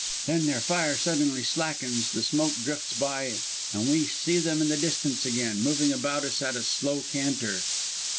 Then their fire suddenly slackens, the smoke drifts by, and we see them in the distance again, moving about us at a slow canter.